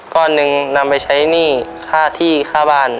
ก้อนหนึ่งนำไปใช้หนี้ค่าที่ค่าบ้าน